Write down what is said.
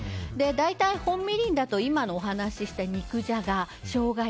大体、本みりんだと今のお話した肉じゃがショウガ